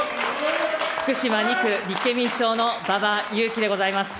福島２区立憲民主党の馬場雄基でございます。